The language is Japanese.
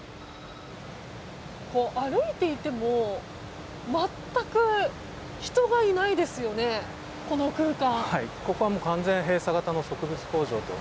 歩いていても、全く人がいないですよね、この空間。